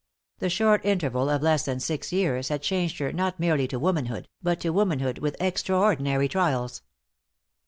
The short interval of less than six years had changed her not merely to womanhood, but to womanhood with extraordinary trials.